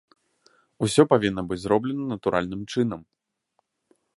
Усё павінна быць зроблена натуральным чынам.